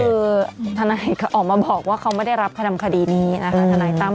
คือทนายออกมาบอกว่าเขาไม่ได้รับขนำคดีนี้นะคะทนายตั้ม